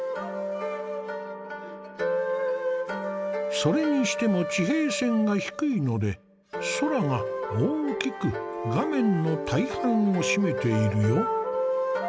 それにしても地平線が低いので空が大きく画面の大半を占めているよ。